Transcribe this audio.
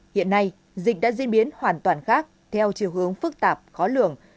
hiện nay dịch đã diễn biến hoàn toàn khác theo chiều hướng phức tạp khó lường